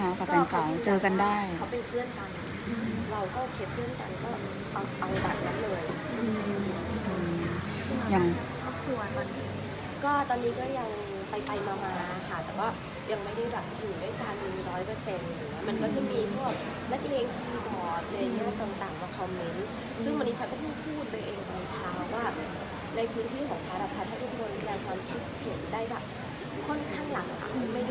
มันมีการให้เขาไปเพื่อนกันเราเคล็ดเพื่อนกันก็เอาแบบนั้นเลย